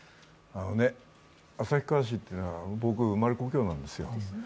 旭川市というのは僕、生まれ故郷なんですよ。